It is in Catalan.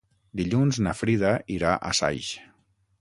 Dilluns na Frida irà a Saix.